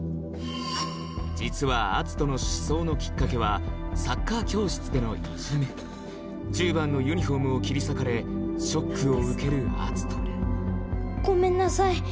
実は篤斗の失踪のきっかけはサッカー教室でのいじめ１０番のユニフォームを切り裂かれショックを受ける篤斗ごめんなさい。